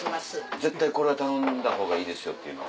絶対これは頼んだほうがいいですよっていうのは？